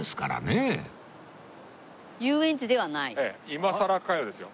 「今さらかよ」ですよ。